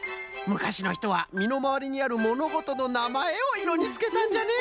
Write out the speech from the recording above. むかしのひとはみのまわりにあるものごとのなまえをいろにつけたんじゃね。